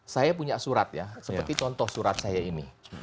saya punya surat ya seperti contoh surat saya ini